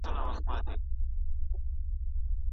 موږ د ټولنيزو اړيکو د ښه والي په لټه يو.